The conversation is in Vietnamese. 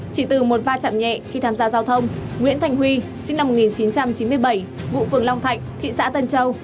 chỉ từ một va chạm nhẹ khi tham gia giao thông nguyễn thành huy sinh năm một nghìn chín trăm chín mươi bảy ngụ phường long thạnh thị xã tân châu